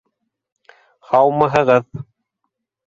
— Һаумыһығыҙ.